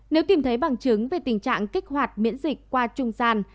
nếu tìm thấy bằng chứng về tình trạng kích hoạt miễn dịch qua trung gian